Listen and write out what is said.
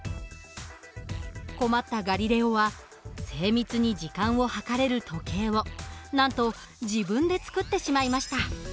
困ったガリレオは精密に時間を計れる時計をなんと自分で作ってしまいました。